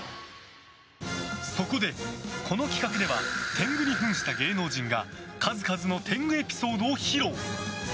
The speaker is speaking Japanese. そこで、この企画では天狗にふんした芸能人が数々の天狗エピソードを披露。